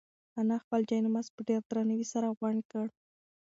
انا خپل جاینماز په ډېر درناوي سره غونډ کړ.